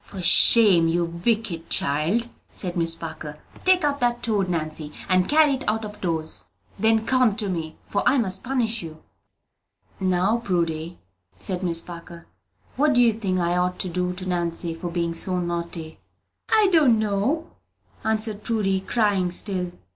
"For shame, you wicked child," said Miss Parker. "Take up that toad, Nancy, and carry it out of doors; then come to me, for I must punish you." "Now, Prudy," added Miss Parker, "what do you think I ought to do to Nancy for being so naughty?" "I don't know," answered Prudy, crying still.